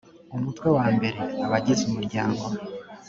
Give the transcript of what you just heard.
umutwe wa mbere abagize umuryango